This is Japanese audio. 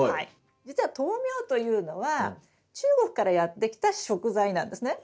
じつは豆苗というのは中国からやって来た食材なんですね。